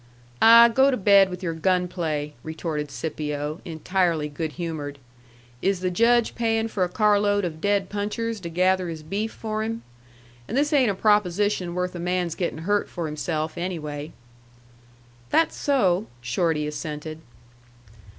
"Ah, go to bed with your gun play!" retorted Scipio, entirely good humored. "Is the Judge paying for a carload of dead punchers to gather his beef for him? And this ain't a proposition worth a man's gettin' hurt for himself, anyway." "That's so," Shorty assented.